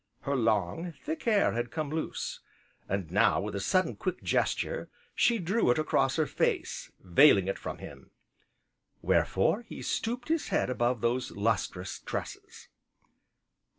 Her long, thick hair had come loose, and now with a sudden, quick gesture, she drew it across her face, veiling it from him; wherefore, he stooped his head above those lustrous tresses.